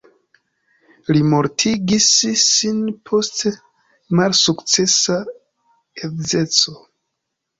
Li mortigis sin post malsukcesa edzeco.